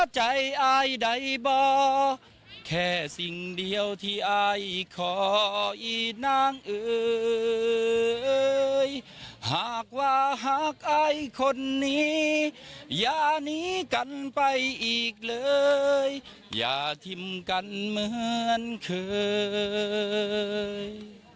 จิ้มกันเหมือนเคย